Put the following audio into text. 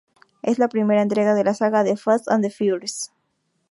Es la primera entrega de la saga "The Fast and the Furious".